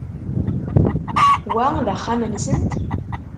Wa d axxam-nsent?